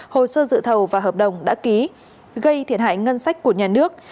hồ sơ dự thầu và hợp đồng đã ký gây thiệt hại ngân sách của nhà nước